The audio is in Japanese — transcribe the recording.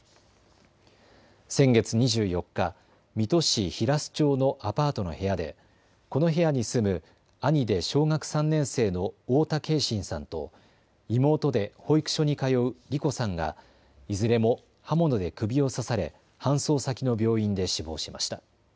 先月２４日、水戸市平須町のアパートの部屋でこの部屋に住む兄で小学３年生の太田継真さんと妹で保育所に通う梨心さんがいずれも刃物で首を刺され搬送先の病院で死亡しました。